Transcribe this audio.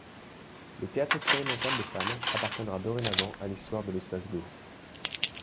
Le Théâtre Expérimental des Femmes appartiendra dorénavant à l'histoire de l'Espace Go.